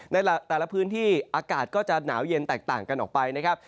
ในแต่ละพื้นที่อากาศก็จะหนาวเย็นแตกต่างกันออกไปนะครับ